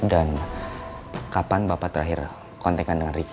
dan kapan bapak terakhir kontenkan dengan ricky